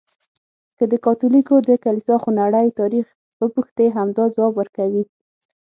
که د کاتولیکو د کلیسا خونړی تاریخ وپوښتې، همدا ځواب ورکوي.